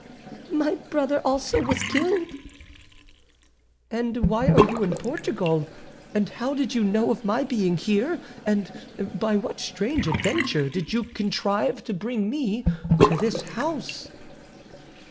"My brother also was killed." "And why are you in Portugal? and how did you know of my being here? and by what strange adventure did you contrive to bring me to this house?"